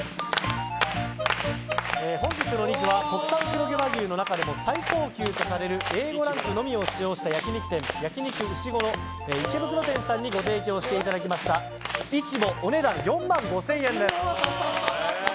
本日のお肉は国産黒毛和牛の中でも最高級とされるＡ５ランクのみを使用した焼き肉店焼肉うしごろ池袋店さんにご提供していただいたイチボお値段４万５０００円です。